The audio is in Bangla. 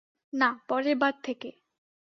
না, পরের বার থেকে।